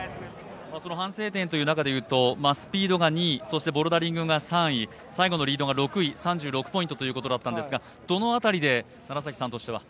反省点という中でいうとスピードが２位そしてボルダリングが３位最後のリードが６位で３６ポイントだったんですがどの辺りで楢崎さんとしては。